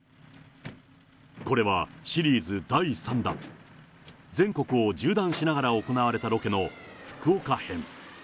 これは、シリーズ第３弾、全国を縦断しながら行われたロケの、福岡編。